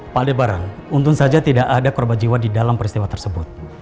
palebaran untung saja tidak ada korban jiwa di dalam peristiwa tersebut